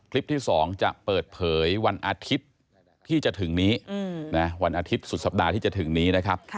คลิปที่๒จะเปิดเผยวันอาทิตย์ที่จะถึงนี้วันอาทิตย์สุดสัปดาห์ที่จะถึงนี้นะครับ